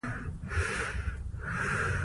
نو خپل ټټو دې پۀ سيوري وتړي -